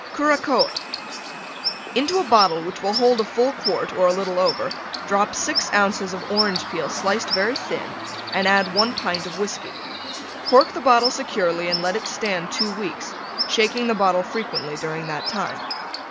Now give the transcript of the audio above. CURACOA Into a bottle which will hold a full quart, or a little over, drop 6 ounces of Orange Peel sliced very thin, and add 1 pint of Whiskey. Cork the bottle securely and let it stand two weeks, shaking the bottle frequently during that time.